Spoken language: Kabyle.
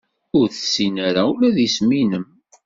Ur tessin ara ula d isem-nnem.